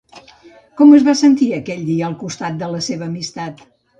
Com es va sentir, aquell dia, al costat de la seva amistat?